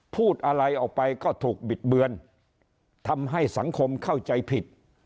พูดอะไรออกไปก็ถูกบิดเบือนทำให้สังคมเข้าใจผิด